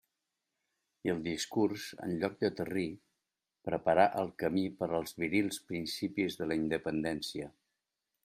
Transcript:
I el discurs en lloc d'aterrir preparà el camí per als virils principis de la independència.